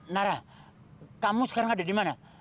nara kamu sekarang ada di mana